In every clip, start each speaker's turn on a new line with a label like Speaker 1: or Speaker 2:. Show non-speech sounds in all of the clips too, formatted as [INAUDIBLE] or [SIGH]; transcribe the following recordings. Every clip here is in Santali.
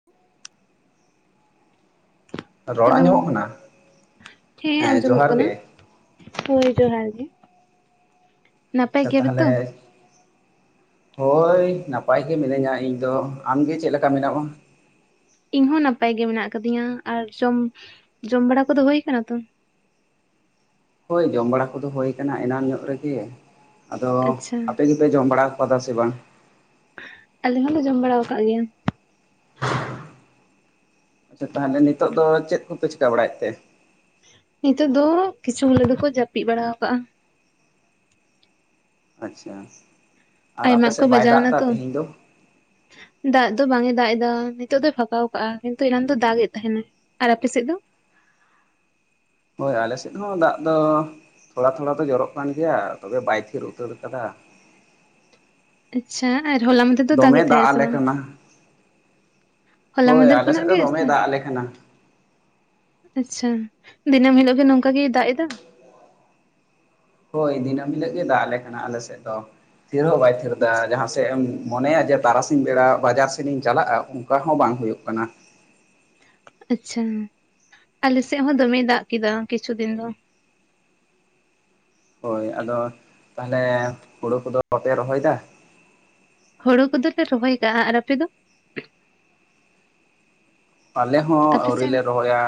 Speaker 1: [INAUDIBLE]
Speaker 2: ᱨᱚᱲ
Speaker 1: ᱦᱮᱞᱳ
Speaker 2: ᱟᱸᱡᱚᱢᱚᱜ ᱠᱟᱱᱟ
Speaker 1: ᱦᱮᱸ ᱟᱸᱡᱚᱢᱚᱜ
Speaker 2: ᱡᱚᱦᱟᱨ
Speaker 1: ᱠᱟᱱᱟ᱾
Speaker 2: ᱜᱮ
Speaker 1: ᱦᱳᱭ ᱡᱚᱦᱟᱨ ᱜᱮ᱾ ᱱᱟᱯᱟᱭ
Speaker 2: ᱟᱪᱪᱷᱟ
Speaker 1: ᱜᱮᱭᱟᱯᱮ ᱛᱚ
Speaker 2: ᱛᱟᱦᱟᱞᱮ, ᱦᱳᱭ ᱱᱟᱯᱟᱭ ᱜᱮ ᱢᱤᱱᱟᱹᱧᱟ ᱤᱧ ᱫᱚ ᱟᱢᱜᱮ ᱪᱮᱫ ᱞᱮᱠᱟ ᱢᱮᱱᱟᱢᱟ?
Speaker 1: ᱤᱧ ᱦᱚᱸ ᱱᱟᱯᱟᱭ ᱜᱮ ᱢᱮᱱᱟᱜ ᱟᱠᱟᱫᱤᱧᱟ ᱾ ᱟᱨ ᱡᱚᱢ ᱡᱚᱢ ᱵᱟᱲᱟ ᱠᱚᱫᱚ ᱦᱳᱭ ᱟᱠᱟᱱᱟ ᱛᱚ?
Speaker 2: ᱦᱳᱭ ᱡᱚᱢ ᱵᱟᱲᱟ ᱠᱚᱫᱚ ᱦᱳᱭ ᱠᱟᱱᱟ ᱮᱱᱟᱱᱝ ᱧᱚᱜ ᱨᱮᱜᱮ ᱟᱫᱚ
Speaker 1: ᱟᱪᱪᱷᱟ
Speaker 2: ᱟᱯᱮ ᱜᱮ? ᱯᱮ ᱡᱚᱢ ᱵᱟᱲᱟ ᱟᱠᱟᱫᱟ ᱥᱮ ᱵᱟᱝ?
Speaker 1: ᱟᱞᱮ ᱦᱚᱞᱮ ᱡᱚᱢ ᱵᱟᱲᱟ ᱟᱠᱟᱜ ᱜᱮᱭᱟ᱾
Speaker 2: ᱟᱪᱪᱷᱟ ᱛᱟᱦᱮᱞᱮ ᱱᱤᱛᱚᱜ ᱫᱚ ᱪᱮᱫ ᱠᱚᱯᱮ ᱪᱤᱠᱟᱹ ᱵᱟᱲᱟᱭᱮᱫ ᱛᱮ?
Speaker 1: ᱱᱤᱛᱚᱜ ᱫᱚ ᱠᱤᱪᱷᱩ ᱦᱚᱲ ᱫᱚᱠᱚ ᱡᱟᱹᱯᱤᱫ ᱵᱟᱲᱟ ᱟᱠᱟᱜᱼᱟ᱾
Speaker 2: ᱟᱪᱪᱷᱟ ᱟᱨ
Speaker 1: ᱟᱭᱢᱟ
Speaker 2: ᱟᱯᱮ
Speaker 1: ᱠᱚ
Speaker 2: ᱥᱮᱫ ᱵᱟᱭ ᱫᱟᱜ
Speaker 1: ᱵᱟᱡᱟᱣᱱᱟ
Speaker 2: ᱫᱟ
Speaker 1: ᱛᱚ
Speaker 2: ᱛᱮᱦᱮᱧ ᱫᱚ?
Speaker 1: ᱫᱟᱜ ᱫᱚ ᱵᱟᱝ ᱮ ᱫᱟᱜ ᱮᱫᱟ ᱱᱤᱛᱚᱜ ᱫᱚᱭ ᱯᱷᱟᱸᱠᱟᱣ ᱠᱟᱜᱼᱟ ᱠᱤᱱᱛᱩ ᱮᱱᱟᱱ ᱫᱚ ᱫᱟᱜ ᱮᱫ ᱛᱟᱦᱮᱸᱱᱟ᱾ ᱟᱨ ᱟᱯᱮ ᱥᱮᱫ ᱫᱚ?
Speaker 2: ᱦᱳᱭ ᱟᱞᱮᱥᱮᱫ ᱦᱚᱸ ᱫᱟᱜ ᱫᱚ ᱛᱷᱚᱲᱟ ᱛᱷᱚᱲᱟ ᱫᱚ ᱡᱚᱨᱚᱜ ᱠᱟᱱ ᱜᱮᱭᱟ ᱛᱚᱵᱮ ᱵᱟᱭ ᱛᱷᱤᱨ ᱩᱛᱟᱹᱨ ᱠᱟᱫᱟ᱾
Speaker 1: ᱟᱪᱪᱷᱟ ᱟᱨ ᱦᱚᱞᱟ ᱢᱟᱸᱫᱷᱮᱨ ᱫᱚ
Speaker 2: ᱫᱚᱢᱮ
Speaker 1: ᱫᱟᱜᱮᱫ
Speaker 2: ᱫᱟᱜ
Speaker 1: ᱛᱟᱦᱮᱸᱜᱼᱟ ᱥᱮ
Speaker 2: ᱟᱞᱮ
Speaker 1: ᱵᱟᱝ?
Speaker 2: ᱠᱟᱱᱟ
Speaker 1: ᱦᱚᱞᱟ
Speaker 2: ᱦᱳᱭ
Speaker 1: ᱢᱟᱫᱷᱮᱨ
Speaker 2: ᱟᱞᱮ ᱥᱮᱫ
Speaker 1: ᱠᱷᱚᱱᱟᱜ
Speaker 2: ᱫᱚ
Speaker 1: ᱜᱮ
Speaker 2: ᱫᱚᱢᱮ
Speaker 1: ᱥᱮ
Speaker 2: ᱫᱟᱜ ᱟᱞᱮ ᱠᱟᱱᱟ
Speaker 1: ᱟᱸᱪᱪᱷᱟ ᱫᱤᱱᱟᱹᱢ ᱦᱤᱞᱳᱜ ᱜᱮ ᱱᱚᱝᱠᱟ ᱜᱤᱭ ᱫᱟᱜ ᱮᱫᱟ?
Speaker 2: ᱦᱳᱭ ᱫᱤᱱᱟᱹᱢ ᱦᱤᱞᱳᱜ ᱜᱮ ᱫᱟᱜ ᱟᱞᱮ ᱠᱟᱱᱟ ᱟᱞᱮ ᱥᱮᱫ ᱫᱚ, ᱛᱷᱤᱨ ᱦᱚᱸ ᱵᱟᱭ ᱛᱷᱤᱨ ᱮᱫᱟ
Speaker 1: ᱟᱪᱪᱷᱟ
Speaker 2: ᱡᱟᱦᱟᱸ ᱥᱮᱜ ᱮᱢ ᱢᱚᱱᱮᱭᱟ ᱡᱮ ᱛᱟᱨᱟᱥᱤᱧ ᱵᱮᱲᱟ ᱵᱟᱡᱟᱨ ᱥᱮᱱ ᱤᱧ ᱪᱟᱞᱟᱜᱼᱟ, ᱚᱱᱠᱟ ᱦᱚᱸ ᱵᱟᱝ ᱦᱳᱭᱳᱜ ᱠᱟᱱᱟ᱾
Speaker 1: ᱟᱸᱪᱪᱷᱟᱸ ᱟᱞᱮ ᱥᱮᱜ ᱦᱚᱸ ᱫᱚᱢᱮᱭ ᱫᱟᱜ ᱠᱮᱫᱟ ᱠᱤᱪᱷᱩ ᱫᱤᱱ ᱫᱚ᱾
Speaker 2: ᱦᱳᱭ ᱟᱫᱚ ᱛᱟᱦᱚᱞᱮ ᱦᱳᱲᱳ ᱠᱚᱫᱚ ᱵᱟᱯᱮ ᱨᱚᱦᱚᱭᱮᱫᱟ?
Speaker 1: ᱦᱳᱲᱳ ᱠᱚᱫᱚᱞᱮ ᱨᱚᱦᱚᱭ ᱠᱟᱜᱼᱟ, ᱟᱨ ᱟᱯᱮ ᱫᱚ?
Speaker 2: ᱟᱞᱮ ᱦᱚᱸ
Speaker 1: ᱟᱯᱮ
Speaker 2: ᱟᱹᱣᱨᱤ
Speaker 1: ᱥᱮᱱ
Speaker 2: ᱞᱮ ᱨᱚᱦᱚᱭᱟ᱾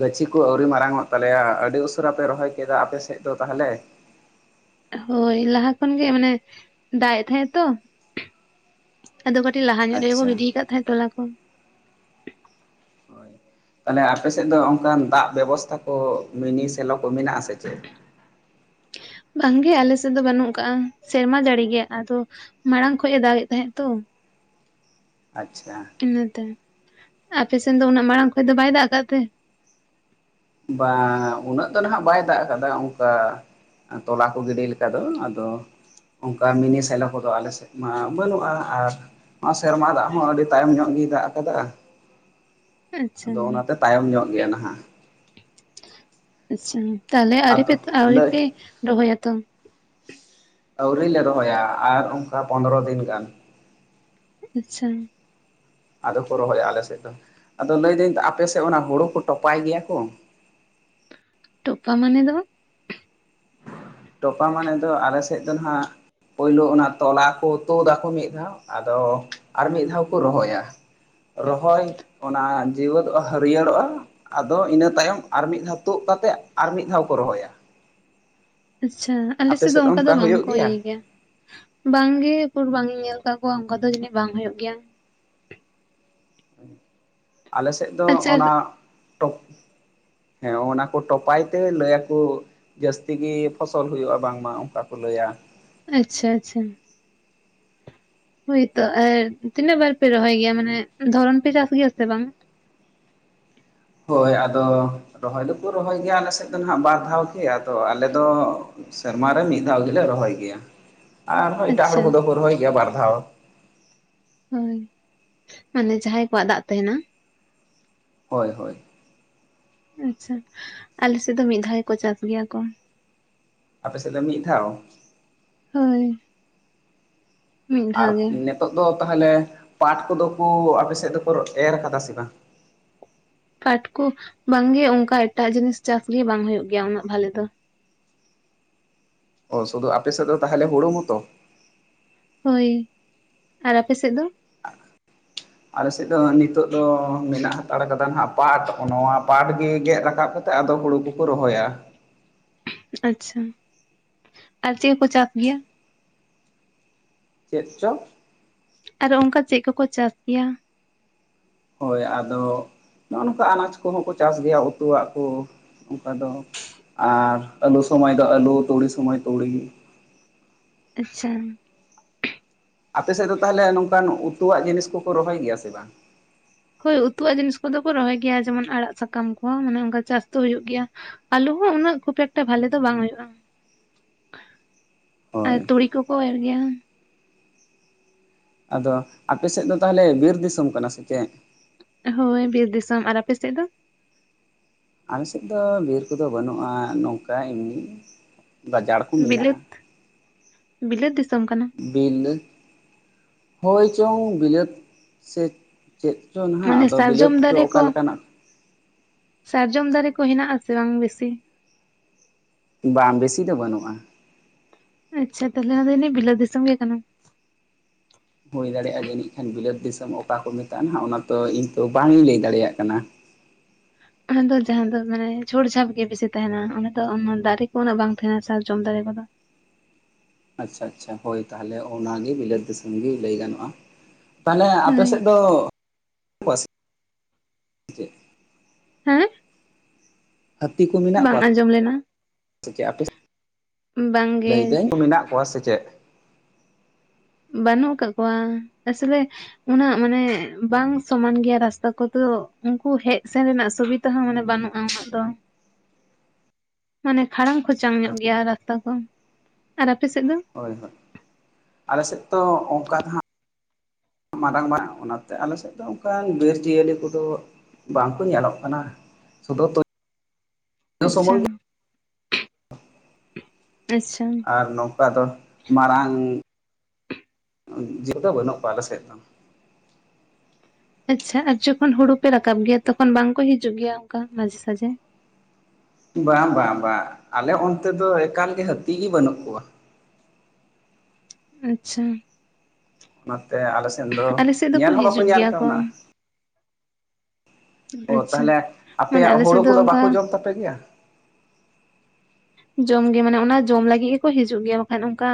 Speaker 2: ᱜᱟᱹᱪᱷᱤ ᱠᱚ ᱟᱹᱣᱨᱤ ᱢᱟᱨᱟᱝᱼᱚᱜ ᱛᱟᱞᱮᱭᱟ᱾ ᱟᱹᱰᱤ ᱩᱥᱟᱹᱨᱟ ᱯᱮ ᱨᱚᱦᱚᱭ ᱠᱮᱫᱟ ᱟᱯᱮ ᱥᱮᱫ ᱫᱚ ᱛᱟᱦᱚᱞᱮ?
Speaker 1: ᱦᱳᱭ, ᱞᱟᱦᱟ ᱠᱷᱚᱱ ᱜᱮ ᱢᱟᱱᱮ ᱫᱟᱜ ᱮᱫ ᱛᱟᱦᱮᱸᱜᱼᱟ ᱛᱚ᱾ ᱟᱫᱚ ᱠᱟᱹᱴᱤᱡ ᱞᱟᱦᱟ ᱧᱚᱜ ᱨᱮᱜᱮ ᱠᱚ
Speaker 2: ᱟᱪᱪᱷᱟ
Speaker 1: ᱜᱤᱰᱤᱤᱭ ᱟᱠᱟᱫ ᱛᱟᱦᱮᱸᱫ ᱛᱚᱞᱟ ᱠᱚ᱾
Speaker 2: ᱦᱳᱭ ᱛᱟᱦᱞᱮ ᱟᱯᱮ ᱥᱮᱫ ᱫᱚ ᱚᱱᱠᱟᱱ ᱫᱟᱜ ᱵᱮᱵᱚᱥᱛᱷᱟ ᱠᱚ ᱢᱤᱱᱤ ᱥᱮᱞᱚ ᱠᱚ ᱢᱮᱱᱟᱜᱼᱟ ᱥᱮ ᱪᱮᱫ?
Speaker 1: ᱵᱟᱝ ᱜᱮ ᱟᱞᱮ ᱥᱮᱫ ᱫᱚ ᱵᱟᱹᱱᱩᱜ ᱟᱠᱟᱜᱼᱟ, ᱥᱮᱨᱢᱟ ᱡᱟᱹᱲᱤ ᱜᱮ ᱟᱫᱚ ᱢᱟᱬᱟᱝ ᱠᱷᱚᱡ ᱮ ᱫᱟᱜᱮᱫ ᱛᱟᱦᱮᱸᱜ ᱛᱚ᱾
Speaker 2: ᱟᱪᱪᱷᱟ᱾
Speaker 1: ᱤᱱᱟᱹᱛᱮ, ᱟᱯᱮ ᱥᱮᱱ ᱫᱚ ᱩᱱᱟᱹᱜ ᱢᱟᱲᱟᱝ ᱠᱷᱚᱡ ᱫᱚ ᱵᱟᱭ ᱫᱟᱜ ᱠᱟᱜ ᱛᱮ?
Speaker 2: ᱵᱟᱝ ᱩᱱᱟᱹᱜ ᱫᱚ ᱱᱟᱦᱟᱜ ᱵᱟᱭ ᱫᱟᱜ ᱟᱠᱟᱫᱟ, ᱚᱝᱠᱟ ᱛᱚᱞᱟ ᱠᱚ ᱜᱤᱰᱤ ᱞᱮᱠᱟ ᱫᱚ ᱟᱫᱚ ᱚᱝᱠᱟ ᱢᱤᱱᱤ ᱥᱮᱞᱚ ᱠᱚᱫᱚ ᱟᱞᱮ ᱥᱮᱫ ᱢᱟ ᱵᱟᱹᱱᱩᱜᱼᱟ ᱟᱨ ᱱᱚᱶᱟ ᱥᱮᱨᱢᱟ ᱫᱟᱜ ᱦᱚᱸ ᱟᱹᱰᱤ ᱛᱟᱭᱚᱢ ᱧᱚᱜ ᱜᱤᱭ ᱫᱟᱜ ᱟᱠᱟᱫᱟ᱾
Speaker 1: ᱟᱪᱪᱷᱟ
Speaker 2: ᱟᱫᱚ ᱚᱱᱟᱛᱮ ᱛᱟᱭᱚᱢ ᱧᱚᱜ ᱜᱮᱭᱟ ᱱᱟᱦᱟᱜ᱾
Speaker 1: ᱟᱪᱪᱷᱟ ᱛᱟᱦᱚᱞᱮ ᱟᱹᱣᱨᱤ ᱯᱮ
Speaker 2: ᱟᱫᱚ
Speaker 1: ᱟᱹᱣᱨᱤ
Speaker 2: ᱞᱟᱹᱭ
Speaker 1: ᱯᱮ ᱨᱚᱦᱚᱭᱟ ᱛᱚ?
Speaker 2: ᱟᱹᱣᱨᱤ ᱞᱮ ᱨᱚᱦᱚᱭᱟ ᱟᱨ ᱚᱱᱠᱟ ᱯᱚᱸᱫᱨᱚ ᱫᱤᱱ ᱜᱟᱱ᱾
Speaker 1: ᱟᱪᱪᱷᱟ᱾
Speaker 2: ᱟᱫᱚ ᱠᱚ ᱨᱚᱦᱚᱭᱟ ᱟᱞᱮ ᱥᱮᱫ ᱫᱚ, ᱟᱫᱚ ᱞᱟᱹᱭᱫᱟᱹᱧ ᱟᱯᱮ ᱥᱮᱫ ᱚᱱᱟ ᱦᱩᱲᱩ ᱠᱚ ᱴᱚᱯᱟᱭ ᱜᱮᱭᱟ ᱠᱚ?
Speaker 1: ᱴᱚᱯᱟ ᱢᱟᱱᱮ ᱫᱚ?
Speaker 2: ᱴᱚᱯᱟ ᱢᱟᱱᱮ ᱫᱚ ᱟᱞᱮ ᱥᱮᱫ ᱫᱚ ᱱᱟᱦᱟᱜ ᱯᱳᱭᱞᱳ ᱚᱱᱟ ᱛᱚᱞᱟ ᱠᱚ ᱛᱳᱫᱼᱟᱠᱚ ᱢᱤᱫ ᱫᱷᱟᱣ ᱟᱫᱚ ᱟᱨ ᱢᱤᱫ ᱫᱷᱟᱣ ᱠᱚ ᱨᱚᱦᱚᱭᱟ᱾ ᱨᱚᱦᱚᱭ ᱚᱱᱟ ᱡᱤᱣᱮᱹᱫᱚᱜᱼᱟ ᱦᱟᱹᱨᱭᱟᱹᱲᱚᱜᱼᱟ ᱟᱫᱚ ᱤᱱᱟᱹ ᱛᱟᱭᱚᱢ ᱟᱨ ᱢᱤᱫ ᱫᱷᱟᱣ ᱛᱳᱜ ᱠᱟᱛᱮᱫ ᱟᱨ ᱢᱤᱫ ᱫᱷᱟᱣ ᱠᱚ ᱨᱚᱦᱚᱭᱟ᱾
Speaker 1: ᱟᱪᱪᱷᱟ ᱟᱞᱮ
Speaker 2: ᱟᱯᱮ
Speaker 1: ᱥᱮᱫ ᱫᱚ ᱚᱝᱠᱟ ᱫᱚ
Speaker 2: ᱚᱱᱠᱟ
Speaker 1: ᱵᱟᱝ
Speaker 2: ᱦᱩᱭᱩᱜ
Speaker 1: ᱠᱚ ᱤᱭᱟᱹᱭ ᱜᱮᱭᱟ᱾ ᱵᱟᱝ ᱜᱮ ᱩᱠᱩᱨ ᱵᱟᱝ ᱤᱧ ᱧᱮᱞ ᱟᱠᱟᱫ ᱠᱚᱣᱟ, ᱚᱱᱠᱟ ᱫᱚ ᱡᱟᱹᱱᱤᱡ ᱵᱟᱝ ᱦᱳᱭᱳᱜ ᱜᱮᱭᱟ᱾
Speaker 2: ᱟᱞᱮ ᱥᱮᱫ ᱫᱚ
Speaker 1: ᱟᱪᱪᱷᱟ
Speaker 2: ᱚᱱᱟ ᱴᱚᱯ ᱦᱮᱸ ᱚᱱᱟ ᱠᱚ ᱴᱚᱯᱟᱭ ᱛᱮ ᱞᱟᱹᱭ ᱟᱠᱩ ᱡᱟᱹᱥᱛᱤ ᱜᱤ ᱯᱷᱚᱥᱚᱞ ᱦᱩᱭᱩᱜᱼᱟ, ᱵᱟᱝᱢᱟ ᱚᱝᱠᱟ ᱠᱚ ᱞᱟᱹᱭᱟ᱾
Speaker 1: ᱟᱪᱪᱷᱟ ᱟᱪᱪᱷᱟ᱾ ᱦᱳᱭᱛᱚ ᱟᱨ ᱛᱤᱱᱟᱹᱜ ᱵᱟᱨ ᱯᱮ ᱨᱚᱦᱚᱭ ᱜᱮᱭᱟ ᱢᱟᱱᱮ ᱫᱷᱚᱨᱚᱱ ᱯᱮ ᱪᱟᱥ ᱜᱮᱭᱟ ᱥᱮ ᱵᱟᱝ?
Speaker 2: ᱦᱳᱭ ᱟᱫᱚ ᱨᱚᱦᱚᱭ ᱫᱚᱠᱚ ᱨᱚᱦᱚᱭ ᱜᱮᱭᱟ ᱟᱞᱮ ᱥᱮᱫ ᱫᱚ ᱦᱟᱸᱜ ᱵᱟᱨ ᱫᱷᱟᱣ ᱜᱮ, ᱟᱫᱚ ᱟᱞᱮ ᱫᱚ ᱥᱮᱨᱢᱟ ᱨᱮ ᱢᱤᱫ ᱫᱷᱟᱣ ᱜᱮᱞᱮ ᱨᱚᱦᱚᱭ ᱜᱮᱭᱟ, ᱟᱨᱦᱚᱸ ᱮᱴᱟᱜ ᱦᱚᱲ
Speaker 1: ᱟᱪᱪᱷᱟ
Speaker 2: ᱠᱚᱫᱚ ᱠᱚ ᱨᱚᱦᱚᱭ ᱜᱮᱭᱟ ᱵᱟᱨ ᱫᱷᱟᱣ᱾
Speaker 1: ᱦᱳᱭ, ᱢᱟᱱᱮ ᱡᱟᱦᱟᱸᱭ ᱠᱚᱣᱟᱜ ᱫᱟᱜ ᱛᱟᱸᱦᱮᱱᱟ᱾
Speaker 2: ᱦᱳᱭ ᱦᱳᱭ᱾
Speaker 1: ᱟᱪᱪᱷᱟ ᱟᱞᱮ ᱥᱮᱫ ᱫᱚ ᱢᱤᱫ ᱫᱷᱟᱣ ᱜᱮᱠᱚ ᱪᱟᱥ ᱜᱮᱭᱟ ᱠᱚ᱾
Speaker 2: ᱟᱯᱮ ᱥᱮᱫ ᱫᱚ ᱢᱤᱫ ᱫᱷᱟᱣ?
Speaker 1: ᱦᱳᱭ᱾ ᱢᱤᱫ ᱫᱷᱟᱣ
Speaker 2: ᱟᱨ
Speaker 1: ᱜᱮ
Speaker 2: ᱱᱤᱛᱚᱜ ᱫᱚ ᱛᱟᱦᱚᱞᱮ ᱯᱟᱴ ᱠᱚᱫᱚ ᱠᱚ ᱟᱯᱮ ᱥᱮᱫ ᱫᱚᱠᱚ ᱮᱨ ᱠᱟᱫᱟ ᱥᱮ ᱵᱟᱝ
Speaker 1: ᱯᱟᱴ ᱠᱚ ᱵᱟᱝ ᱜᱮ ᱚᱱᱠᱟ ᱮᱴᱟᱜ ᱡᱤᱱᱤᱥ ᱪᱟᱥᱜᱤ ᱵᱟᱝ ᱦᱩᱭᱩᱜ ᱜᱮᱭᱟ ᱩᱱᱟᱹᱜ ᱵᱷᱟᱞᱮ ᱫᱚᱼᱼ
Speaker 2: ᱚ ᱥᱩᱫᱩ ᱟᱯᱮ ᱥᱮᱫ ᱫᱚ ᱛᱟᱦᱚᱞᱮ ᱦᱩᱲᱩ ᱢᱚᱛᱚ
Speaker 1: ᱦᱳᱭ ᱟᱨ ᱟᱯᱮ ᱥᱮᱫ ᱫᱚᱼᱼ
Speaker 2: ᱟᱞᱮ ᱥᱮᱫ ᱫᱚ ᱱᱤᱛᱚᱜ ᱫᱚ ᱢᱮᱱᱟᱜ ᱦᱟᱛᱟᱲ ᱠᱟᱫᱟ ᱱᱟᱜ ᱯᱟᱴ ᱱᱚᱣᱟ ᱯᱟᱴ ᱜᱮ ᱜᱮᱫ ᱨᱟᱠᱟᱵ ᱠᱟᱛᱮ ᱟᱫᱚ ᱦᱩᱲᱩ ᱠᱚ ᱠᱚ ᱨᱚᱦᱚᱭᱟ
Speaker 1: ᱟᱪᱪᱷᱟ ᱟᱨ ᱪᱮᱫ ᱠᱚᱠᱚ ᱪᱟᱥ ᱜᱮᱭᱟ?
Speaker 2: ᱪᱮᱫ ᱪᱚᱼᱼ
Speaker 1: ᱟᱨᱚ ᱚᱱᱠᱟ ᱪᱮᱫ ᱠᱚᱠᱚ ᱪᱟᱥ ᱜᱮᱭᱟ?
Speaker 2: ᱦᱳᱭ ᱟᱫᱚ ᱱᱚᱜᱼᱚ ᱱᱚᱝᱠᱟ ᱟᱱᱟᱡ ᱠᱚᱦᱚᱸ ᱠᱚ ᱪᱟᱥ ᱜᱮᱭᱟ ᱩᱛᱩᱣᱟᱜ ᱠᱚ ᱚᱱᱠᱟ ᱫᱚ ᱟᱨ ᱟᱹᱞᱩ ᱥᱚᱢᱚᱭ ᱫᱚ ᱟᱹᱞᱩ ᱛᱩᱲᱤ ᱥᱚᱢᱚᱭ ᱛᱩᱲᱤ
Speaker 1: ᱟᱪᱪᱷᱟ
Speaker 2: ᱟᱯᱮ ᱥᱮᱫ ᱫᱚ ᱛᱟᱦᱚᱞᱮ ᱱᱚᱝᱠᱟᱱ ᱩᱛᱩᱣᱟᱜ ᱡᱤᱱᱤᱥ ᱠᱚᱠᱚ ᱨᱚᱦᱚᱭ ᱜᱮᱭᱟ ᱥᱮ ᱵᱟᱝ?
Speaker 1: ᱦᱳᱭ ᱩᱛᱩᱣᱟᱜ ᱡᱤᱱᱤᱥ ᱠᱚᱫᱚ ᱠᱚ ᱨᱚᱦᱚᱭ ᱜᱮᱭᱟ ᱡᱮᱢᱚᱱ ᱟᱲᱟᱜ ᱥᱟᱠᱟᱢ ᱠᱚᱦᱚᱸ ᱢᱟᱱᱮ ᱚᱱᱠᱟ ᱪᱟᱥ ᱫᱚ ᱦᱩᱭᱩᱜ ᱜᱮᱭᱟ ᱟᱹᱞᱩ ᱦᱚᱸ ᱩᱱᱟᱹᱜ ᱠᱷᱩᱵ ᱮᱠᱴᱟ ᱵᱷᱟᱞᱮ ᱫᱚ ᱵᱟᱝ ᱦᱩᱭᱩᱜᱼᱟ ᱾ ᱟᱨ
Speaker 2: ᱦᱳᱭ
Speaker 1: ᱛᱩᱲᱤ ᱠᱚᱠᱚ ᱮᱨ ᱜᱮᱭᱟ
Speaker 2: ᱟᱫᱚ ᱟᱯᱮ ᱥᱮᱫ ᱫᱚ ᱛᱟᱦᱚᱞᱮ ᱵᱤᱨ ᱫᱤᱥᱚᱢ ᱠᱟᱱᱟ ᱥᱮ ᱪᱮᱫ?
Speaker 1: ᱦᱳᱭ ᱵᱤᱨ ᱫᱤᱥᱚᱢ, ᱟᱨ ᱟᱯᱮ ᱥᱮᱫ ᱫᱚ?
Speaker 2: ᱟᱞᱮ ᱥᱮᱫ ᱫᱚ ᱵᱤᱨ ᱠᱚᱫᱚ ᱵᱟᱹᱱᱩᱜᱼᱟ ᱱᱚᱝᱠᱟ ᱮᱢᱱᱤᱼᱼ
Speaker 1: ᱵᱤᱞᱟᱹᱛ, ᱵᱤᱞᱟᱹᱛ ᱫᱤᱥᱚᱢ ᱠᱟᱱᱟ
Speaker 2: ᱵᱤᱞᱟᱹᱛ ᱦᱚᱭᱪᱚᱝ ᱵᱤᱞᱟᱹᱫ ᱥᱮ ᱪᱮᱫ ᱪᱚ ᱱᱟᱦᱟᱜ
Speaker 1: ᱢᱟᱱᱮ
Speaker 2: ᱟᱫᱚ ᱵᱤᱞᱟᱹᱛ
Speaker 1: ᱥᱟᱨᱡᱚᱢ
Speaker 2: ᱪᱚ
Speaker 1: ᱫᱟᱨᱮ
Speaker 2: ᱚᱠᱟ
Speaker 1: ᱠᱚ
Speaker 2: ᱞᱮᱠᱟᱱᱟᱜ
Speaker 1: ᱥᱟᱨᱡᱚᱢ ᱫᱟᱨᱮ ᱠᱚ ᱦᱮᱱᱟᱜ ᱟᱥᱮ ᱵᱟᱝ ᱵᱮᱥᱤ?
Speaker 2: ᱵᱟᱝ ᱵᱮᱥᱤ ᱫᱚ ᱵᱟᱹᱱᱩᱜᱼᱟ ᱾
Speaker 1: ᱟᱪᱪᱷᱟ ᱛᱟᱦᱚᱞᱮ ᱚᱱᱟ [UNINTELLIGIBLE] ᱵᱤᱞᱟᱹᱫ ᱫᱤᱥᱚᱢ ᱜᱮ ᱠᱟᱱᱟ
Speaker 2: ᱦᱩᱭ ᱫᱟᱲᱮᱭᱟᱜᱼᱟ ᱡᱟᱹᱱᱤᱡ ᱠᱷᱟᱱ ᱵᱤᱞᱟᱹᱛ ᱫᱤᱥᱚᱢ ᱚᱠᱟ ᱠᱚ ᱢᱮᱛᱟᱜᱼᱟ ᱱᱟᱦᱟᱜ ᱚᱱᱟ ᱛᱚ ᱤᱧ ᱛᱚ ᱵᱟᱝ-ᱤᱧ ᱞᱟᱹᱭ ᱫᱟᱲᱮᱭᱟᱜ ᱠᱟᱱᱟ
Speaker 1: ᱚᱸᱰᱮ ᱫᱚ ᱡᱟᱦᱟᱸ ᱫᱚ ᱢᱟᱱᱮ ᱪᱷᱩᱲ ᱡᱷᱟᱯ ᱜᱮ ᱵᱤᱥᱤ ᱛᱟᱦᱮᱱᱟ ᱚᱸᱰᱮ ᱫᱚ ᱚᱱᱟ ᱫᱟᱨᱮ ᱠᱚ ᱩᱱᱟᱹᱜ ᱵᱟᱝ ᱛᱟᱦᱮᱱᱟ ᱥᱟᱨᱡᱚᱢ ᱫᱟᱨᱮ ᱠᱚᱫᱚ
Speaker 2: ᱟᱪᱪᱷᱟ ᱟᱪᱪᱷᱟ ᱦᱳᱭ ᱛᱟᱦᱚᱞᱮ ᱚᱱᱟ ᱜᱮ ᱵᱤᱞᱟᱹᱛ ᱫᱤᱥᱚᱢ ᱜᱮ ᱞᱟᱹᱭ ᱜᱟᱱᱚᱜᱼᱟ ᱛᱟᱦᱚᱞᱮ ᱟᱯᱮ
Speaker 1: ᱦᱳᱭ
Speaker 2: ᱥᱮᱫ ᱫᱚ
Speaker 1: ᱦᱮᱸ
Speaker 2: ᱦᱟᱹᱛᱤ ᱠᱚ ᱢᱮᱱᱟᱜ
Speaker 1: ᱵᱟᱝ
Speaker 2: ᱠᱚᱣᱟ
Speaker 1: ᱟᱸᱡᱚᱢ ᱞᱮᱱᱟ
Speaker 2: ᱪ [INAUDIBLE] ᱟᱯᱮ [UNINTELLIGIBLE]
Speaker 1: ᱵᱟᱝᱜᱮ
Speaker 2: ᱞᱟᱹᱭ ᱫᱟᱹᱧ ᱢᱮᱱᱟᱜ ᱠᱚᱣᱟ ᱥᱮ ᱪᱮᱫ?
Speaker 1: ᱵᱟᱹᱱᱩᱜ ᱟᱠᱟᱫ ᱠᱚᱣᱟ ᱟᱥᱚᱞᱮ ᱩᱱᱟᱹᱜ ᱢᱟᱱᱮ ᱵᱟᱝ ᱥᱚᱢᱟᱱ ᱜᱮᱭᱟ ᱨᱟᱥᱛᱟ ᱠᱚᱫᱚ ᱩᱱᱠᱩ ᱦᱮᱡ ᱥᱮᱱ ᱨᱮᱱᱟᱜ ᱥᱩᱵᱤᱫᱟ ᱛᱮ ᱦᱚᱸ ᱢᱟᱱᱮ ᱵᱟᱹᱱᱩᱜᱼᱟ ᱩᱱᱟᱹᱜ ᱫᱚᱼᱼ ᱢᱟᱱᱮ ᱠᱷᱟᱲᱟᱝ ᱠᱷᱚᱪᱟᱝ ᱧᱚᱜ ᱜᱮᱭᱟ ᱨᱟᱥᱛᱟ ᱠᱚ, ᱟᱨ ᱟᱯᱮ ᱥᱮᱫ ᱫᱚ?
Speaker 2: ᱦᱳᱭ ᱦᱳᱭ ᱟᱞᱮ ᱥᱮᱫ ᱛᱚ ᱚᱱᱠᱟ ᱫᱚ ᱦᱟᱸᱜ ᱢᱟᱨᱟᱝ ᱢᱟᱨᱟᱝ ᱚᱱᱟ ᱛᱮ ᱟᱞᱮ ᱥᱮᱫ ᱫᱚ ᱚᱱᱠᱟᱱ ᱵᱤᱨ ᱡᱤᱭᱟᱹᱞᱤ ᱠᱚᱫᱚ ᱵᱟᱝ ᱠᱚ ᱧᱮᱞᱚᱜ ᱠᱟᱱᱟ ᱥᱩᱫᱩ
Speaker 1: ᱟᱪᱪᱷᱟ ᱟᱪᱪᱷᱟ
Speaker 2: ᱟᱨ ᱱᱚᱝᱠᱟ ᱫᱚ ᱢᱟᱨᱟᱝ, ᱡᱤᱣᱤ ᱫᱚ ᱵᱟᱹᱱᱩᱜ ᱠᱚᱣᱟ ᱟᱞᱮ ᱥᱮᱫ ᱫᱚ
Speaker 1: ᱟᱪᱪᱷᱟ ᱟᱨ ᱡᱚᱠᱷᱚᱱ ᱦᱳᱲᱳ ᱯᱮ ᱨᱟᱠᱟᱵ ᱜᱮᱭᱟ ᱛᱚᱠᱷᱚᱱ ᱵᱟᱝ ᱠᱚ ᱦᱤᱡᱩᱜ ᱜᱮᱭᱟ ᱚᱱᱠᱟ ᱢᱟᱡᱷᱮ ᱥᱟᱡᱷᱮᱼᱼ
Speaker 2: ᱵᱟᱝ ᱵᱟᱝ ᱵᱟᱝ ᱟᱞᱮ ᱚᱱᱛᱮ ᱫᱚ ᱮᱠᱟᱞ ᱜᱮ ᱦᱟᱹᱛᱤ ᱜᱤ ᱵᱟᱹᱱᱩᱜ ᱠᱚᱣᱟ᱾
Speaker 1: ᱟᱪᱪᱷᱟ
Speaker 2: ᱱᱚᱛᱮ ᱚᱱᱟᱛᱮ ᱟᱞᱮ ᱥᱮᱱ ᱫᱚ
Speaker 1: ᱟᱞᱮ ᱥᱮᱫ ᱫᱚᱠᱚ
Speaker 2: ᱧᱮᱞ ᱦᱚᱸ ᱵᱟᱠᱚ
Speaker 1: ᱦᱤᱡᱩᱜ
Speaker 2: ᱧᱮᱞ
Speaker 1: ᱜᱮᱭᱟ ᱠᱚ
Speaker 2: ᱠᱟᱣᱱᱟ᱾ ᱚ
Speaker 1: ᱟᱪᱪᱷᱟ
Speaker 2: ᱛᱟᱦᱚᱞᱮ
Speaker 1: ᱢᱟᱱᱮ
Speaker 2: ᱟᱯᱮᱭᱟᱜ
Speaker 1: ᱟᱞᱮ ᱥᱮᱫ
Speaker 2: ᱦᱳᱲᱳ
Speaker 1: ᱫᱚ
Speaker 2: ᱠᱚᱫᱚ
Speaker 1: ᱚᱱᱠᱟ
Speaker 2: ᱵᱟᱠᱚ
Speaker 1: [INAUDIBLE]
Speaker 2: ᱡᱚᱢ ᱛᱟᱯᱮ ᱜᱮᱭᱟ
Speaker 1: ᱡᱚᱢᱜᱮ ᱢᱟᱱᱮ ᱚᱱᱟ ᱡᱚᱢ ᱞᱟᱹᱜᱤᱫ ᱜᱮᱠᱚ ᱦᱤᱡᱩᱜ ᱜᱮᱭᱟ ᱵᱟᱠᱷᱟᱱ ᱚᱱᱠᱟ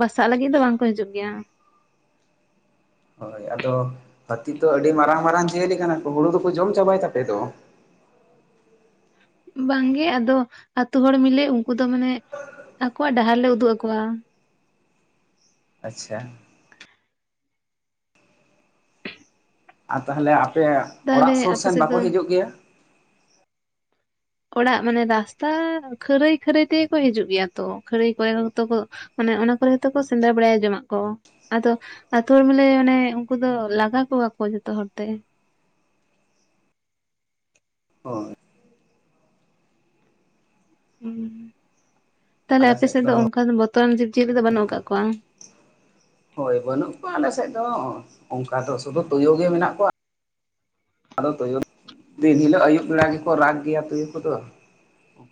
Speaker 1: ᱵᱟᱥᱟᱜ ᱞᱟᱹᱜᱤᱫ ᱫᱚ ᱵᱟᱝᱠᱚ ᱦᱤᱡᱩᱜ ᱜᱮᱭᱟ᱾
Speaker 2: ᱦᱳᱭ ᱟᱫᱚ ᱦᱟᱹᱛᱤ ᱛᱚ ᱟᱹᱰᱤ ᱢᱟᱨᱟᱝ ᱢᱟᱨᱟᱝ ᱡᱤᱭᱟᱹᱞᱤ ᱠᱟᱱᱟ ᱠᱚ ᱦᱩᱲᱩ ᱫᱚᱠᱚ ᱡᱚᱢ ᱪᱟᱵᱟᱭ ᱛᱟᱯᱮ ᱫᱚ᱾
Speaker 1: ᱵᱟᱝᱜᱮ ᱟᱫᱚ ᱟᱛᱳ ᱦᱚᱲ ᱢᱤᱞᱮ ᱩᱱᱠᱩ ᱫᱚ ᱢᱟᱱᱮ ᱟᱠᱚᱣᱟᱜ ᱰᱟᱦᱟᱨ ᱞᱮ ᱩᱫᱩᱜ ᱟᱠᱚᱣᱟ᱾
Speaker 2: ᱟᱪᱪᱷᱟ, ᱟᱨ ᱛᱟᱦᱚᱞᱮ ᱟᱯᱮᱭᱟᱜ
Speaker 1: ᱛᱟᱦᱚᱞᱮ
Speaker 2: ᱚᱲᱟᱜ ᱥᱩᱨ
Speaker 1: ᱟᱯᱮ
Speaker 2: ᱥᱮᱱ
Speaker 1: ᱥᱮᱫ
Speaker 2: ᱵᱟᱠᱚ
Speaker 1: ᱫᱚ
Speaker 2: ᱦᱤᱡᱩᱜ ᱜᱮᱭᱟ?
Speaker 1: ᱚᱲᱟᱜ ᱢᱟᱱᱮ ᱨᱟᱥᱛᱟ ᱠᱷᱟᱹᱨᱟᱹᱭ ᱠᱷᱟᱹᱨᱟᱹᱭ ᱛᱮᱜᱮ ᱠᱚ ᱦᱤᱡᱩᱜ ᱜᱮᱭᱟ ᱛᱚ ᱠᱷᱟᱹᱨᱟᱹᱭ ᱠᱚᱨᱮ ᱦᱚᱛᱚ ᱠᱚ ᱢᱟᱱᱮ ᱚᱱᱟ ᱠᱚᱨᱮ ᱦᱚᱸ ᱛᱚ ᱠᱚ ᱥᱮᱸᱫᱽᱨᱟ ᱵᱟᱲᱟᱭᱟ ᱡᱚᱢᱟᱜ ᱠᱚ ᱾ ᱟᱫᱚ ᱟᱹᱛᱩ ᱦᱚᱲ ᱢᱟᱱᱮ ᱟᱱᱮ ᱩᱱᱠᱩ ᱫᱚ ᱞᱟᱜᱟ ᱠᱚᱣᱟ ᱠᱚ ᱡᱚᱛᱚ ᱦᱚᱲ ᱛᱮ ᱾
Speaker 2: ᱚᱻ
Speaker 1: ᱛᱟᱦᱞᱮ ᱟᱯᱮ ᱥᱮᱫ ᱫᱚ ᱚᱱᱠᱟ ᱫᱚ ᱵᱚᱨᱛᱚᱢᱟᱱ ᱡᱤᱵ ᱡᱤᱭᱟᱹᱞᱤ ᱫᱚ ᱵᱟᱹᱱᱩᱜ ᱟᱠᱟᱫ ᱠᱚᱣᱟ?
Speaker 2: ᱦᱳᱭ ᱵᱟᱹᱱᱩᱜ ᱠᱚᱣᱟ ᱟᱞᱮ ᱥᱮᱫ ᱫᱚ ᱚᱱᱠᱟ ᱫᱚ ᱥᱩᱫᱩ ᱛᱩᱭᱩ ᱜᱮ ᱢᱮᱱᱟᱜ ᱠᱚᱣᱟ ᱾ ᱟᱫᱚ ᱛᱩᱭᱩ [INAUDIBLE] ᱫᱤᱱ ᱦᱤᱞᱳᱜ ᱟᱹᱭᱩᱵ ᱵᱮᱲᱟ ᱜᱮᱠᱚ ᱨᱟᱜᱽ ᱜᱮᱭᱟ ᱛᱩᱭᱩ ᱠᱚᱫᱚ ᱾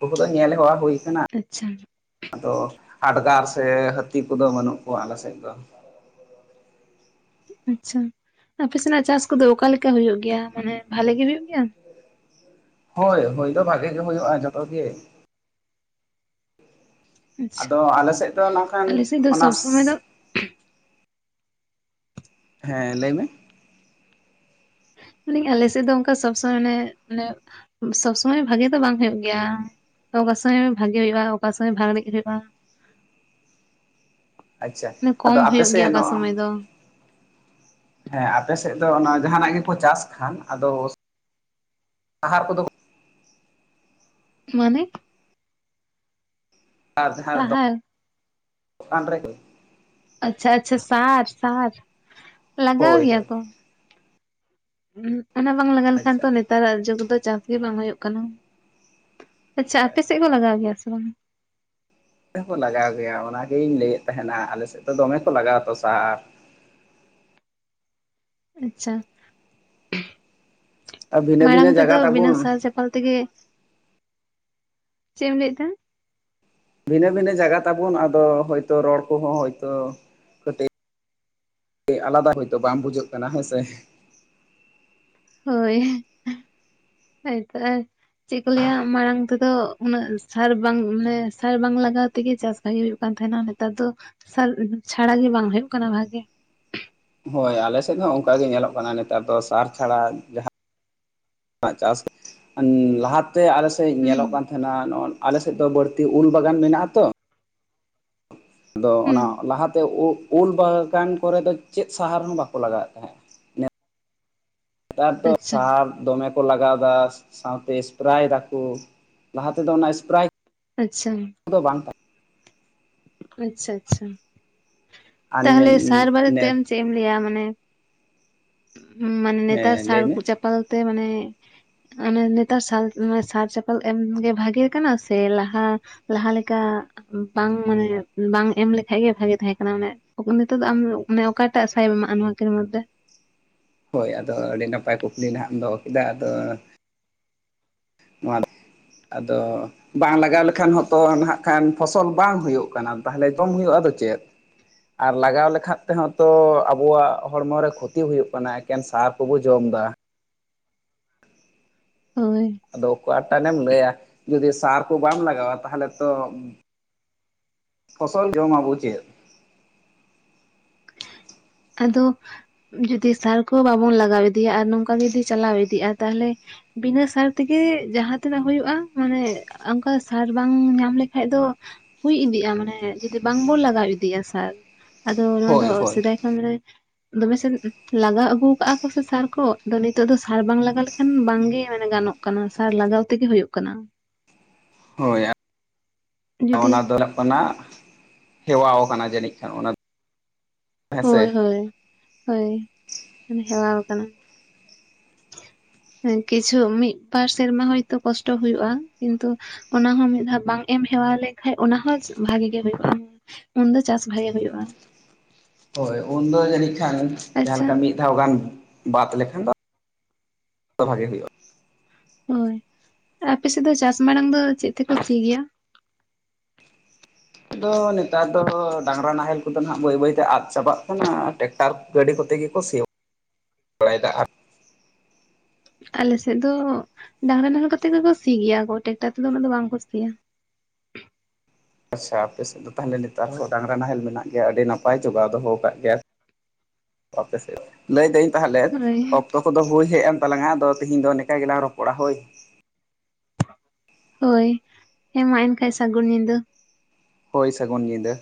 Speaker 2: ᱩᱱᱠᱩ ᱫᱚ ᱧᱮᱞ ᱦᱮᱣᱟ ᱦᱩᱭ ᱠᱟᱱᱟ ᱾
Speaker 1: ᱟᱪᱪᱷᱟ,
Speaker 2: ᱟᱫᱚ ᱦᱟᱰᱜᱟᱨ ᱥᱮ ᱦᱟᱹᱛᱤ ᱠᱚᱫᱚ ᱵᱟᱹᱱᱩᱜ ᱠᱚᱣᱟ ᱟᱞᱮ ᱥᱮᱫ ᱫᱚ ᱾
Speaker 1: ᱟᱪᱪᱷᱟ, ᱟᱯᱮ ᱥᱮᱱᱟᱜ ᱪᱟᱥ ᱠᱚᱫᱚ ᱚᱠᱟᱞᱮᱠᱟ ᱦᱩᱭᱩᱜᱭ ᱜᱮᱭᱟ ᱢᱟᱱᱮ ᱵᱷᱟᱞᱮᱜᱤ ᱦᱩᱭᱩᱜ ᱜᱮᱭᱟ?
Speaker 2: ᱦᱳᱭ ᱦᱳᱭ ᱫᱚ ᱵᱷᱟᱜᱮ ᱜᱮ ᱦᱩᱭᱩᱜᱼᱟ ᱡᱚᱛᱚ ᱜᱮ ᱾
Speaker 1: ᱟᱪᱪᱷᱟ
Speaker 2: ᱟᱫᱚ ᱟᱞᱮ ᱥᱮᱫ ᱫᱚ ᱱᱚᱝᱠᱟᱱ
Speaker 1: ᱟᱞᱮ ᱥᱮᱫ ᱫᱚ
Speaker 2: ᱚᱱᱟ
Speaker 1: ᱥᱚᱵᱽ ᱥᱚᱢᱚᱭ ᱫᱚ
Speaker 2: ᱦᱮᱸ ᱞᱟᱹᱭ ᱢᱮ,
Speaker 1: ᱢᱟᱱᱮ ᱟᱞᱮᱥᱮᱫ ᱫᱚ ᱚᱱᱠᱟ ᱥᱚᱵ ᱥᱚᱢᱚᱭ ᱢᱟᱱᱮ ᱢᱮᱱᱮ ᱥᱚᱵ ᱥᱚᱢᱚᱭ ᱵᱷᱟᱜᱮ ᱫᱚ ᱵᱟᱝ ᱦᱩᱭᱩᱜ ᱜᱮᱭᱟ ᱾ ᱚᱠᱟ ᱥᱚᱢᱚᱭ ᱵᱷᱟᱜᱮ ᱦᱩᱭᱩᱜᱼᱟ ᱚᱠᱟ ᱥᱚᱢᱚᱭ ᱵᱟᱲᱤᱡ ᱦᱩᱭᱩᱜᱼᱟ
Speaker 2: ᱟᱪᱪᱷᱟ
Speaker 1: ᱾
Speaker 2: ᱟᱫᱚ
Speaker 1: ᱠᱚᱢ
Speaker 2: ᱟᱯᱮ
Speaker 1: ᱦᱩᱭᱩᱜ ᱜᱮᱭᱟ
Speaker 2: ᱥᱮᱫ
Speaker 1: ᱚᱠᱟ
Speaker 2: ᱱᱚᱣᱟ
Speaker 1: ᱥᱚᱢᱚᱭ ᱫᱚ ᱾
Speaker 2: ᱦᱮᱸ ᱟᱯᱮᱥᱮᱫ ᱫᱚ ᱚᱱᱟ ᱡᱟᱦᱟᱸᱱᱟᱜ ᱜᱮᱠᱚ ᱪᱟᱥ ᱠᱷᱟᱱ ᱟᱫᱚ ᱟᱦᱟᱨ ᱠᱚᱫᱚ
Speaker 1: ᱢᱟᱱᱮ?
Speaker 2: ᱟᱨ ᱡᱟᱦᱟᱸ ᱫᱚ
Speaker 1: ᱥᱟᱦᱟᱨ
Speaker 2: [INAUDIBLE] ᱪᱮᱛᱟᱱ ᱨᱮᱜᱮ
Speaker 1: ᱟᱪᱪᱷᱟ ᱟᱪᱪᱷᱟ ᱥᱟᱨ ᱥᱟᱨ ᱞᱟᱜᱟᱣ
Speaker 2: ᱦᱳᱭ
Speaker 1: ᱜᱮᱭᱟ
Speaker 2: ᱦᱳᱭ
Speaker 1: ᱠᱚ᱾ ᱚᱱᱟ ᱵᱟᱝ ᱞᱟᱜᱟᱣ ᱞᱮᱠᱷᱟᱱ
Speaker 2: ᱟᱪᱪᱷᱟ
Speaker 1: ᱛᱚ ᱱᱮᱛᱟᱨᱟᱜ ᱡᱩᱜᱽ ᱫᱚ ᱪᱟᱥ ᱜᱮ ᱵᱟᱝ ᱦᱩᱭᱩᱜ ᱠᱟᱱᱟ ᱾ ᱟᱪᱪᱷᱟ, ᱟᱯᱮ ᱥᱮᱫ ᱠᱚ ᱞᱟᱜᱟᱣ ᱜᱮᱭᱟ ᱥᱮ ᱵᱟᱝ?
Speaker 2: ᱛᱮ ᱦᱚᱸᱠᱚ ᱞᱟᱜᱟᱣ ᱜᱮᱭᱟ ᱚᱱᱟᱜᱤᱧ ᱞᱟᱹᱭᱮᱫ ᱛᱟᱦᱮᱱᱟ ᱟᱞᱮ ᱥᱮᱫ ᱫᱚ ᱫᱚᱢᱮ ᱠᱚ ᱞᱟᱜᱟ ᱟ ᱛᱚ ᱥᱟᱨ ᱾
Speaker 1: ᱟᱪᱪᱷᱟ [INAUDIBLE]
Speaker 2: ᱵᱷᱤᱱᱟᱹ
Speaker 1: ᱢᱟᱲᱟᱝ
Speaker 2: ᱵᱷᱤᱱᱟᱹ ᱡᱟᱭᱜᱟ
Speaker 1: ᱛᱮᱫᱚ ᱵᱤᱱᱟᱹ
Speaker 2: ᱛᱟᱵᱚᱱ
Speaker 1: ᱥᱟᱨ ᱚᱞ ᱛᱮᱜᱮ [INAUDIBLE] ᱪᱮᱫ ᱮᱢ ᱞᱟᱹᱭᱫᱟ?
Speaker 2: ᱵᱷᱤᱱᱟᱹ ᱵᱷᱤᱱᱟᱹ ᱡᱟᱜᱟ ᱛᱟᱵᱚᱱ ᱟᱫᱚ ᱦᱚᱭᱛᱚ ᱨᱚᱲ ᱠᱚᱦᱚᱸ ᱦᱭᱛᱚ ᱟᱞᱟᱫᱟ ᱦᱳᱭᱛᱳ ᱵᱟᱝ ᱵᱩᱡᱷᱟᱹᱜ ᱠᱟᱱᱟ ᱦᱮᱸ ᱥᱮ ᱾
Speaker 1: ᱦᱳᱭ, ᱦᱳᱭ ᱛᱚ ᱪᱮᱫ ᱠᱚ ᱞᱟᱹᱭᱟ ᱢᱟᱲᱟᱝ ᱛᱮᱫᱚ ᱩᱱᱟᱹᱜ ᱥᱟᱨ ᱵᱟᱝ ᱢᱟᱱᱮ ᱥᱟᱨ ᱵᱟᱝ ᱞᱟᱜᱟᱣ ᱛᱮᱜᱮ ᱪᱟᱥ ᱵᱷᱟᱜᱤ ᱦᱩᱭᱩᱜ ᱠᱟᱱ ᱛᱟᱦᱮᱱᱟ ᱱᱮᱛᱟᱨ ᱫᱚ ᱥᱟᱨ ᱪᱷᱟᱲᱟ ᱜᱮ ᱵᱟᱝ ᱦᱩᱭᱩᱜ ᱠᱟᱱᱟ ᱵᱷᱟᱜᱮ᱾
Speaker 2: ᱦᱳᱭ ᱟᱞᱮ ᱥᱮᱫ ᱦᱚᱸ ᱚᱱᱠᱟᱟᱜ ᱜᱮ ᱧᱮᱞᱚᱜ ᱠᱟᱱᱟ ᱱᱮᱛᱟᱨ ᱫᱚ ᱥᱟᱨ ᱪᱷᱟᱲᱟ ᱡᱟᱦᱟᱸ ᱪᱟᱥ ᱞᱟᱦᱟ ᱱᱛᱮ ᱟᱞᱮᱥᱮᱫ
Speaker 1: ᱦᱩᱸ
Speaker 2: ᱧᱮᱞᱚᱜ ᱠᱟᱱ ᱛᱟᱦᱮᱱᱟ ᱱᱚ ᱟᱞᱮᱥᱮᱫ ᱫᱚ ᱵᱟᱹᱲᱛᱤ ᱩᱞ ᱵᱟᱜᱟᱱ ᱢᱮᱱᱟᱜ ᱟ ᱛᱚ ᱾ ᱟᱫᱚ
Speaker 1: ᱦᱩᱸ
Speaker 2: ᱚᱱᱟ ᱞᱟᱦᱟᱛᱮ ᱩᱞ ᱵᱟᱜᱟᱱ ᱠᱚᱨᱮᱫᱚ ᱪᱮᱫ ᱥᱟᱦᱟᱨ ᱦᱚᱸ ᱵᱟᱠᱚ ᱞᱟᱜᱟᱣᱮᱫ ᱛᱟᱦᱮᱸᱫ ᱾ ᱱᱮᱛᱟᱨ ᱛᱚ
Speaker 1: ᱟᱪᱪᱷᱟ
Speaker 2: ᱥᱟᱨ ᱫᱚᱢᱮ, ᱞᱟᱜᱟᱣ ᱫᱟ ᱥᱟᱶᱛᱮ ᱥᱯᱨᱮᱭ ᱫᱟᱠᱚ ᱞᱟᱦᱟ ᱛᱮᱫᱚ ᱚᱱᱟ ᱥᱯᱨᱟᱭ,
Speaker 1: ᱟᱪᱪᱷᱟ ᱾
Speaker 2: ᱫᱚ ᱵᱟᱝ ᱛᱟᱦᱮᱸ ᱾
Speaker 1: ᱟᱪᱪᱷᱟ ᱟᱪᱪᱷᱟ
Speaker 2: ᱟᱨ
Speaker 1: ᱛᱟᱦᱟᱞᱮ ᱥᱟᱨ ᱵᱟᱨᱮᱛᱮ
Speaker 2: ᱱᱮᱥ
Speaker 1: ᱟᱢ ᱪᱮᱜ ᱮᱢ ᱞᱟᱹᱭᱟ ᱢᱟᱱᱮ? ᱢᱟᱱᱮ ᱱᱮᱛᱟᱨ
Speaker 2: ᱦᱮᱸ
Speaker 1: ᱥᱟᱨ
Speaker 2: ᱞᱟᱹᱭ ᱢᱮ
Speaker 1: ᱠᱚ ᱪᱟᱯᱟᱞ ᱛᱮ ᱢᱟᱱᱮ, ᱚᱱᱮ ᱱᱮᱛᱟᱨ ᱥᱟᱞ ᱥᱟᱨ ᱪᱟᱯᱟᱞ ᱮᱢᱜᱮ ᱵᱷᱟᱜᱮ ᱠᱟᱱᱟ ᱥᱮ ᱞᱟᱦᱟ, ᱞᱟᱦᱟ ᱞᱮᱠᱟ ᱵᱟᱝ ᱢᱟᱱᱮ ᱵᱟᱝ ᱮᱢ ᱞᱮᱠᱷᱟᱡ ᱜᱮ ᱵᱷᱟᱜᱤ ᱛᱟᱦᱮᱸ ᱠᱟᱱᱟ ᱚᱱᱮ, ᱱᱤᱛᱚᱜ ᱫᱚ ᱟᱢ ᱢᱮ ᱚᱠᱟᱴᱟᱜ ᱥᱟᱭᱮᱢ ᱮᱢᱟᱜᱼᱟ ᱱᱚᱣᱟ ᱠᱤᱱ ᱢᱚᱫᱷᱮ ᱾
Speaker 2: ᱦᱳᱭ ᱟᱫᱚ ᱟᱹᱰᱤ ᱱᱟᱯᱟᱭ ᱠᱩᱠᱞᱤ ᱱᱟᱦᱟᱜ ᱮᱢ ᱫᱚᱦᱚ ᱠᱮᱫᱟ ᱟᱫᱚ, [INAUDIBLE] ᱟᱫᱚ ᱵᱟᱝ ᱞᱟᱜᱟᱣ ᱞᱮᱠᱷᱟᱱ ᱦᱚᱸᱛᱚ ᱱᱟᱦᱟᱜ ᱠᱷᱟᱱ ᱯᱷᱚᱥᱚᱞ ᱵᱟᱝ ᱦᱩᱭᱩᱜ ᱠᱟᱱᱟ ᱛᱟᱦᱮᱞᱮ ᱡᱚᱢ ᱦᱩᱭᱩᱜ ᱟᱫᱚ ᱪᱮᱫ? ᱟᱨ ᱞᱟᱜᱟᱣ ᱞᱮᱠᱷᱟ ᱛᱮᱦᱚᱸ ᱛᱚ ᱟᱵᱚᱣᱟᱜ ᱦᱚᱲᱢᱚᱨᱮ ᱠᱷᱚᱛᱤ ᱦᱩᱭᱩᱜ ᱠᱟᱱᱟ ᱮᱠᱮᱱ ᱥᱟᱨ ᱠᱚᱵᱚ ᱡᱚᱢ ᱫᱟ ᱾
Speaker 1: ᱦᱳᱭ ᱾
Speaker 2: ᱟᱫᱚ ᱚᱠᱟ ᱴᱟᱱᱮᱢ ᱞᱟᱹᱭᱟ ᱡᱩᱫᱤ ᱥᱟᱨ ᱠᱚ ᱵᱟᱢ ᱞᱟᱜᱟᱣᱟ ᱛᱟᱦᱚᱞᱮ ᱛᱚ ᱾ ᱯᱷᱚᱥᱚᱞ ᱡᱚᱢ ᱟᱵᱚ ᱪᱮᱫ ᱾
Speaker 1: ᱟᱫᱚ ᱡᱩᱫᱤ ᱥᱟᱨ ᱠᱚ ᱵᱟᱵᱚᱱ ᱞᱟᱜᱟᱣ ᱤᱫᱤᱭᱟ ᱟᱨ ᱱᱚᱝᱠᱟᱜᱮ ᱡᱩᱫᱤ ᱪᱟᱞᱟᱣ ᱤᱫᱤᱜᱼᱟ ᱛᱟᱞᱦᱮ ᱾ ᱵᱤᱱᱟᱹ ᱥᱟᱨ ᱛᱮᱜᱮ ᱡᱟᱦᱟᱸ ᱛᱤᱱᱟᱹᱜ ᱦᱩᱭᱩᱜᱼᱟ ᱢᱟᱱᱮ ᱾ ᱚᱱᱠᱟ ᱥᱟᱨ ᱵᱟᱝ ᱧᱟᱢ ᱞᱮᱠᱷᱟᱡ ᱫᱚ ᱾ ᱦᱩᱭ ᱤᱫᱤᱜᱼᱟ ᱢᱟᱱᱮ ᱡᱩᱫᱤ ᱵᱟᱝᱵᱚᱱ ᱞᱟᱜᱟᱣ ᱤᱫᱤᱭᱟ ᱥᱟᱨ ᱟᱫᱚ ᱱᱚᱣᱟ ᱫᱚ
Speaker 2: ᱦᱳᱭ ᱦᱳᱭ
Speaker 1: ᱥᱮᱫᱟᱭ ᱾ ᱟᱢᱨᱮ ᱾ ᱫᱚᱢᱮᱥᱮᱱ ᱞᱟᱜᱟᱣ ᱟᱹᱜᱩ ᱟᱠᱟᱜᱼᱟ ᱠᱚ ᱥᱮ ᱥᱟᱨ ᱠᱚ ᱟᱫᱚ ᱱᱤᱛᱚᱜ ᱫᱚ ᱥᱟᱨ ᱵᱟᱝ ᱞᱟᱜᱟᱣ ᱞᱮᱠᱷᱟᱱ ᱵᱟᱝ ᱜᱮ ᱢᱟᱱᱮ ᱜᱟᱱᱚᱜ ᱾ ᱠᱟᱱᱟ ᱥᱟᱨ ᱞᱟᱜᱟᱣ ᱛᱮᱜᱮ ᱦᱩᱭᱩᱜ ᱠᱟᱱᱟ ᱾
Speaker 2: ᱦᱳᱹᱭ
Speaker 1: ᱡᱩᱫᱤ
Speaker 2: ᱚᱱᱟ ᱫᱚ ᱦᱩᱭᱩᱜ ᱠᱟᱱᱟ ᱦᱮᱣᱟᱣ ᱟᱠᱟᱱᱟ ᱡᱟᱹᱱᱤᱡ ᱠᱷᱟᱱ ᱚᱱᱟ ᱾
Speaker 1: ᱦᱳᱹᱭ ᱦᱳᱹᱭ ᱦᱳᱹᱭ ᱢᱟᱱᱮ ᱦᱮᱣᱟᱣ ᱠᱟᱱᱟ ᱾ ᱠᱤᱪᱷᱩ ᱢᱤᱫ ᱵᱟᱨ ᱥᱮᱨᱢᱟ ᱦᱚᱭᱛᱳ ᱠᱚᱥᱴᱚ ᱦᱩᱭᱩᱜᱼᱟ ᱠᱤᱱᱛᱩ ᱾ ᱚᱱᱟᱦᱚᱸ ᱢᱤᱫ ᱫᱷᱟᱣ ᱵᱟᱝ ᱮᱢ ᱦᱮᱣᱟ ᱞᱮᱱᱠᱷᱟᱡ ᱚᱱᱟᱦᱚᱸ ᱵᱷᱟᱜᱤ ᱜᱮ ᱦᱩᱭᱩᱜᱼᱟ ᱾ ᱩᱱ ᱫᱚ ᱪᱟᱥ ᱵᱷᱟᱜᱮ ᱦᱳᱭᱳᱜᱼᱟ ᱾
Speaker 2: ᱦᱳᱭ ᱩᱱ ᱫᱚ ᱡᱟᱹᱱᱤᱡ ᱠᱷᱟᱱ ᱡᱟᱦᱟᱸ
Speaker 1: ᱟᱪᱪᱷᱟ
Speaker 2: ᱞᱮᱠᱟ ᱢᱤᱫ ᱾ ᱢᱤᱫ ᱫᱷᱟᱣ ᱜᱟᱱ ᱵᱟᱫ ᱞᱮᱠᱷᱟᱱ ᱫᱚ ᱵᱷᱟᱜᱮ ᱦᱩᱭᱩᱜᱼᱟ ᱾
Speaker 1: ᱦᱳᱭ ᱟᱯᱮᱥᱮᱫ ᱫᱚ ᱪᱟᱥ ᱢᱟᱲᱟᱝ ᱫᱚ ᱪᱮᱫ ᱛᱮᱠᱚ ᱥᱤ ᱜᱮᱭᱟ?
Speaker 2: ᱟᱫᱚ ᱱᱮᱛᱟᱨ ᱫᱚ ᱰᱟᱝᱨᱟ ᱱᱟᱦᱮᱞ ᱠᱚ ᱫᱚ ᱱᱟᱦᱟᱜ ᱵᱟᱹᱭ ᱵᱟᱹᱭ ᱛᱮ ᱟᱫ ᱪᱟᱵᱟᱜ ᱠᱟᱱᱟ ᱴᱮᱠᱴᱟᱨ ᱜᱟᱹᱰᱤ ᱠᱚᱛᱮ ᱜᱮ ᱠᱚ ᱥᱮᱭᱟ ᱾
Speaker 1: [INAUDIBLE]
Speaker 2: ᱵᱟᱲᱟᱭ ᱫᱟ ᱟᱨ
Speaker 1: ᱟᱞᱮᱥᱮᱫ ᱫᱚ ᱰᱟᱝᱨᱟ ᱱᱟᱦᱮᱞ ᱠᱚᱛᱮ ᱜᱮ ᱠᱚ ᱥᱤ ᱜᱮᱭᱟ ᱠᱚ ᱴᱮᱠᱴᱟᱨ ᱛᱮ ᱫᱚ ᱩᱱᱟᱹᱜ ᱫᱚ ᱵᱟᱝ ᱠᱚ ᱥᱤᱭᱟ ᱾
Speaker 2: ᱟᱪᱪᱷᱟ ᱟᱯᱮᱥᱮᱫ ᱫᱚ ᱛᱟᱦᱮᱞᱮ ᱱᱮᱛᱟᱨ ᱦᱚᱸ ᱰᱟᱝᱨᱟ ᱱᱟᱦᱮᱞ ᱢᱮᱱᱟᱜ ᱜᱮᱭᱟ ᱟᱹᱰᱤ ᱱᱟᱯᱟᱭ ᱡᱚᱜᱟᱣ ᱫᱚᱦᱚ ᱟᱠᱟᱫ ᱜᱮᱭᱟ ᱾ ᱟᱯᱮ ᱥᱮᱫ ᱨᱮ ᱾ ᱞᱟᱹᱭᱫᱟᱹᱧ ᱛᱟᱦᱟᱞᱮ
Speaker 1: ᱦᱳᱭ
Speaker 2: ᱚᱠᱛᱚ ᱠᱚ ᱫᱚ ᱦᱳᱭ ᱦᱮᱡ ᱮᱱ ᱛᱟᱞᱟᱝᱼᱟ ᱟᱫᱚ ᱛᱤᱦᱤᱧ ᱫᱚ ᱱᱤᱠᱟ ᱜᱮᱞᱟᱝ ᱨᱚᱯᱚᱲᱟ ᱦᱳᱭ ᱾
Speaker 1: ᱦᱳᱭ ᱦᱮᱸᱢᱟ ᱮᱱᱠᱷᱟᱱᱡ ᱥᱟᱹᱜᱩᱱ ᱧᱤᱫᱟᱹ᱾
Speaker 2: ᱦᱳᱭ ᱥᱟᱹᱜᱩᱱ ᱧᱤᱫᱟᱹ ᱾